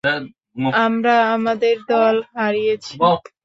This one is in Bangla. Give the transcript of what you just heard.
আমরা আমাদের দল হারিয়েছি।